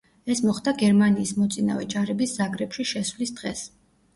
ეს მოხდა გერმანიის მოწინავე ჯარების ზაგრებში შესვლის დღეს.